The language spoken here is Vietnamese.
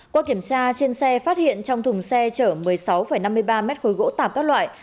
qua kiểm tra trên xe phát hiện trong thùng xe chở một mươi sáu năm mươi ba mét khối gỗ tạp các loại